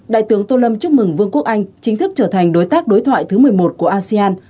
đại tướng tô lâm chúc mừng vương quốc anh chính thức trở thành đối tác đối thoại thứ một mươi một của asean